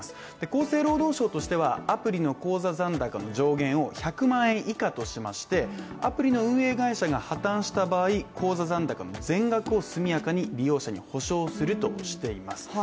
厚生労働省としては、アプリの口座残高の上限を１００万円以下としまして、アプリの運営会社が破綻した場合、残高の全額を速やかに利用者に保証するとしています。